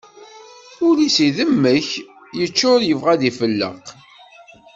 Ul-is idemmek yeččur yebɣa ad ifelleq.